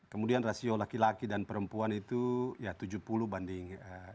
kemudian rasio laki laki dan perempuan itu tujuh puluh banding tiga puluh